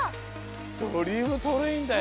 ドリームトレインだよ！